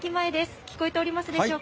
聞こえておりますでしょうか。